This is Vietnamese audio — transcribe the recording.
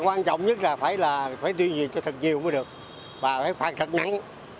quan trọng nhất là phải đi về cho thật nhiều mới được và phải phạt thật nắng